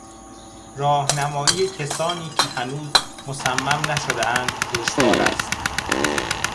راهنمایی کسانی که هنوز مصمم نشدهاند دشوار است.